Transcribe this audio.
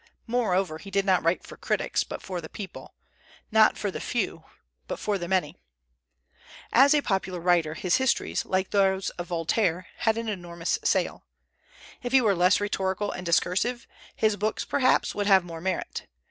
Moreover, he did not write for critics, but for the people; not for the few, but for the many. As a popular writer his histories, like those of Voltaire, had an enormous sale. If he were less rhetorical and discursive, his books, perhaps, would have more merit.